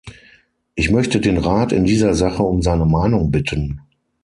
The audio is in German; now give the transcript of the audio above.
Ich möchte den Rat in dieser Sache um seine Meinung bitten.